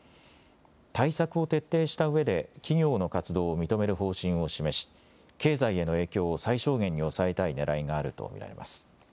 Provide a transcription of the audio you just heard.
対策を徹底したうえで企業の活動を認める方針を示し経済への影響を最小限に抑えたいねらいがあると見られます。